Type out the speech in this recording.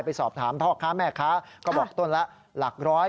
ไปสอบถามพ่อค้าแม่ค้าก็บอกต้นละหลักร้อย